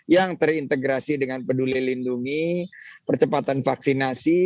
yang terintegrasi dengan peduli lindungi percepatan vaksinasi